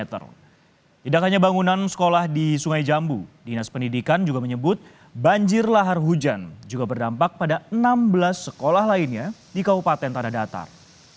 tidak hanya bangunan sekolah di sungai jambu dinas pendidikan juga menyebut banjir lahar hujan juga berdampak pada enam belas sekolah lainnya di kabupaten tanah datar